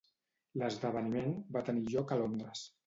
L'esdeveniment va tenir lloc a Londres.